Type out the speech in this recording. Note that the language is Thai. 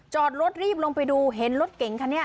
จอดรถรีบลงไปดูเห็นรถเก๋งคันนี้